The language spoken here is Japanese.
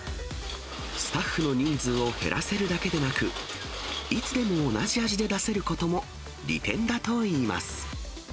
スタッフの人数を減らせるだけでなく、いつでも同じ味で出せることも利点だといいます。